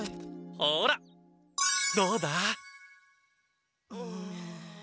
ほらどうだ？ああ。